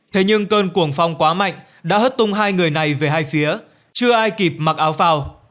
thế nhưng cơn cuồng phong quá mạnh đã hất tung hai người này về hai phía chưa ai kịp mặc áo phao